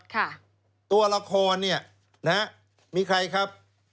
ค่ะตัวละครนี่มีใครครับ